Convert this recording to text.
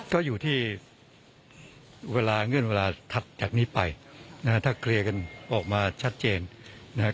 ก็อยู่ที่เวลาเงื่อนเวลาถัดจากนี้ไปนะฮะถ้าเคลียร์กันออกมาชัดเจนนะครับ